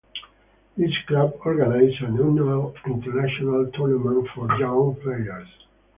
This club organizes an annual international tournament for young players.